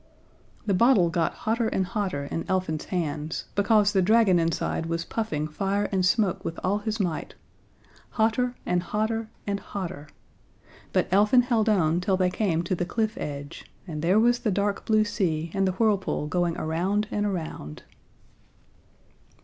The bottle got hotter and hotter in Elfin's hands, because the dragon inside was puffing fire and smoke with all his might hotter and hotter and hotter but Elfin held on till they came to the cliff edge, and there was the dark blue sea, and the whirlpool going around and around.